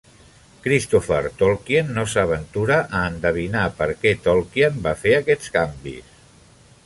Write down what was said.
Christopher Tolkien no s'aventura a endevinar per què Tolkien va fer aquests canvis.